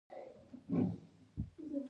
په افغانستان کې د کابل سیند تاریخ خورا اوږد دی.